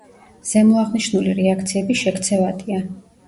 ზემოაღნიშნული რეაქციები შექცევადია.